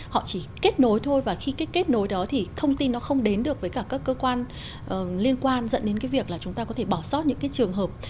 họ chỉ kết nối thôi và khi kết nối đó thì thông tin nó không đến được với các cơ quan liên quan dẫn đến việc là chúng ta có thể bỏ sót những trường hợp